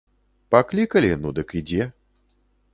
Паклікалі, ну дык ідзе.